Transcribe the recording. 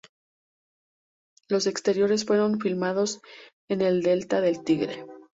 Los exteriores fueron filmados en el Delta del Tigre.